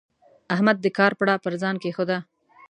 احمد د کار پړه پر ځان کېښوده.